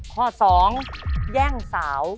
ข้อ๒แย่งสาว